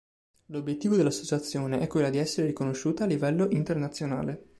L'obiettivo dell'associazione è quella di essere riconosciuta a livello internazionale.